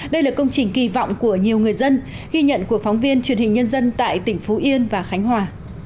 đây là công trình kỳ vọng của nhiều người dân ghi nhận của phóng viên truyền hình nhân dân tại tỉnh phú yên và khánh hòa